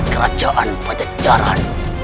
kerajaan pada jalan